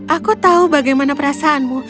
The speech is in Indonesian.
aku tahu bagaimana perasaanmu